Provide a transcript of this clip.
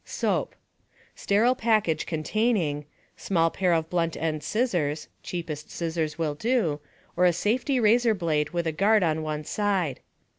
Soap. Sterile package containing: Small pair of blunt end scissors (cheapest scissors will do), or a safety razor blade with a guard on one side.